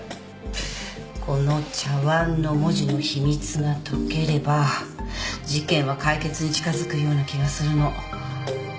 この茶わんの文字の秘密が解ければ事件は解決に近づくような気がするの。